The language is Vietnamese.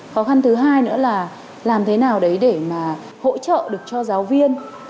khó khăn thứ hai nữa là làm thế nào đấy để mà hỗ trợ được cho giáo viên